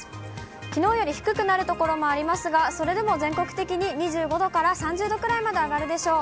きのうより低くなる所もありますが、それでも全国的に２５度から３０度くらいまで上がるでしょう。